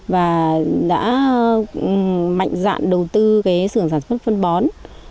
và đã mạnh dạng đầu tư sử dụng sản xuất phân bón